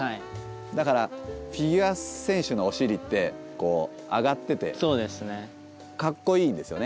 だからフィギュア選手のお尻ってこう上がっててかっこいいんですよね。